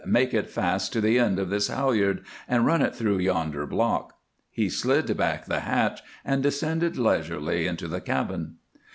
Make it fast to the end of this halyard and run it through yonder block." He slid back the hatch and descended leisurely into the cabin.